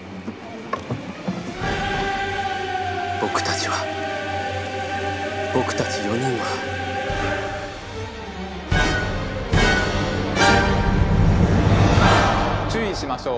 僕たちは僕たち４人は注意しましょう！